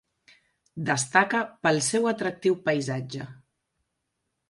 Destaca pel seu atractiu paisatge.